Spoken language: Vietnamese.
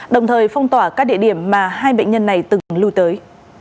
đồng thời phong tỏa các địa điểm mà hai bệnh nhân này từng lưu tới